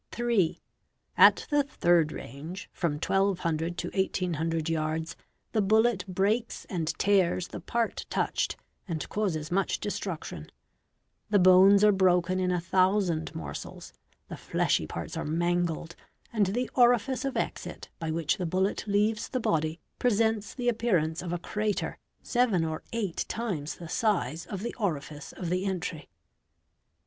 Ill. At the third range, from 1200 to 1800 yards, the bullet breaks — and tears the part touched and causes much destruction; the bones are broken in a thousand morsels, the fleshy parts are mangled, and the orifice of exit by which the bullet leaves the body presents the appear — ance of a crater, seven or eight times the size of the orifice of the entry.